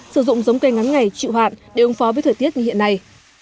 sử dụng giống cây ngắn ngày chịu hạn để ứng phó với thời tiết như hiện nay